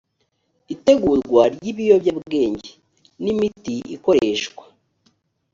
itegurwa ry ibiyobyabwenge n imiti ikoreshwa